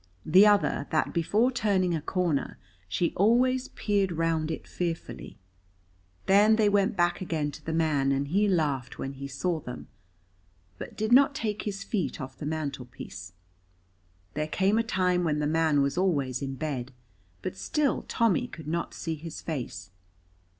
the other that before turning a corner she always peered round it fearfully. Then they went back again to the man and he laughed when he saw them, but did not take his feet off the mantelpiece. There came a time when the man was always in bed, but still Tommy could not see his face.